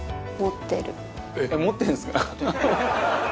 持ってるんですか？